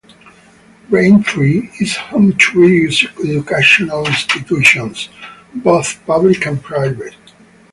Braintree is home to various educational institutions, both public and private.